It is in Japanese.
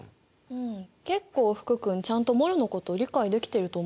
うん結構福君ちゃんとｍｏｌのこと理解できていると思うけど？